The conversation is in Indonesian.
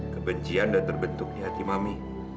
kebencian dah terbentuk di hati mami